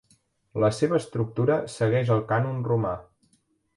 La seva estructura segueix el cànon romà.